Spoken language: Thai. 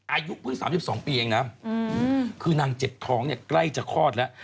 อายุเพิ่ง๓๒ปีเองนะคือนางเจ็บท้องเนี่ยใกล้จะคลอดแล้ว